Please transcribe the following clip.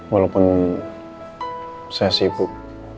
walaupun saya sibuk